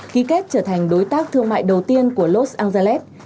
ký kết trở thành đối tác thương mại đầu tiên của los angelalet